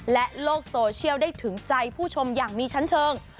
และโลกโซเชียลได้ถึงใจผู้ชมอย่างมีชั้นเชิง